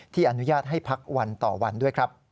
ที่อนุญาตให้พักวันต่อวันด้วย